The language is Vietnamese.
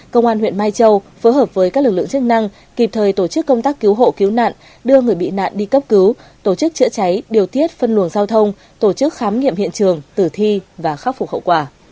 công an huyện mai châu phối hợp với các lực lượng chức năng kịp thời tổ chức công tác cứu hộ cứu nạn đưa người bị nạn đi cấp cứu tổ chức chữa cháy điều tiết phân luồng giao thông tổ chức khám nghiệm hiện trường tử thi và khắc phục hậu quả